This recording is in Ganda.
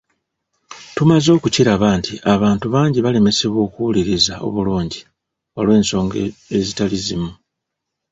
Tumaze okukiraba nti abantu bangi balemesebwa okuwuliriza obulungi olw’ensonga ezitali zimu.